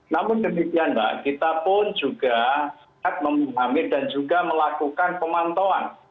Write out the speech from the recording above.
namun demikian mbak kita pun juga memahami dan juga melakukan pemantauan